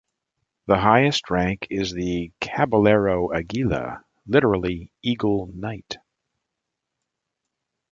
The highest rank is the "Caballero Aguila", literally "Eagle Knight".